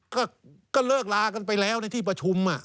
ก็เลิกลากันไปแล้วในที่ประชุม